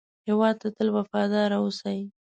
هېواد ته تل وفاداره اوسئ